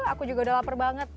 aku juga udah lapar banget